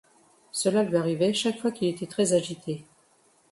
Cela lui arrivait chaque fois qu’il était très agité.